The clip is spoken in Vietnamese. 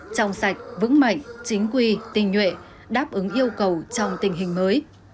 trong sạch vững mạnh chính quy tình nhuệ đáp ứng yêu cầu trong tình hình mới